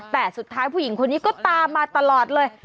แต่สุดท้ายผู้หญิงคนนี้ก็ตามมาตลอดเลย